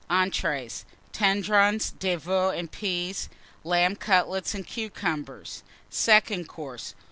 ENTREES. Tendrons de Veau and Peas. Lamb Cutlets and Cucumbers. SECOND COURSE.